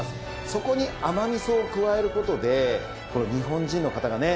そこに甘味噌を加える事で日本人の方がね